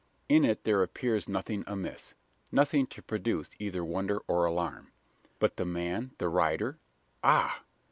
In it there appears nothing amiss nothing to produce either wonder or alarm. But the man the rider? Ah!